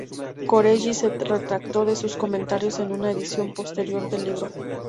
Corelli se retractó de sus comentarios en una edición posterior del libro.